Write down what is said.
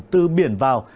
từ biển vào